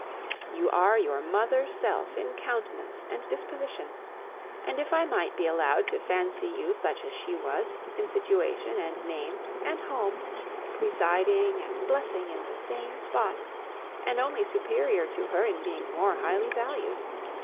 You are your mother's self in countenance and disposition; and if I might be allowed to fancy you such as she was, in situation and name, and home, presiding and blessing in the same spot, and only superior to her in being more highly valued!